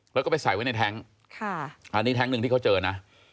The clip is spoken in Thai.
แล้วก็ไปใส่ไว้ในแท้งอันนี้แท้งหนึ่งที่เขาเจอนะ